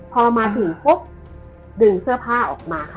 พอมาถึงปุ๊บดึงเสื้อผ้าออกมาค่ะ